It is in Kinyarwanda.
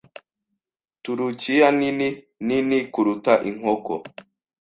Turukiya nini nini kuruta inkoko.